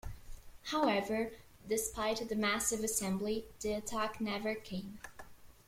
However, despite the massive assembly, the attack never came.